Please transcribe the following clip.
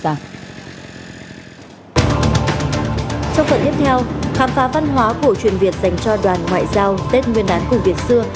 trong phần tiếp theo khám phá văn hóa cổ truyền việt dành cho đoàn ngoại giao tết nguyên đán cùng việt xưa